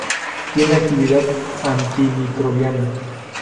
Tiene actividad antimicrobiana.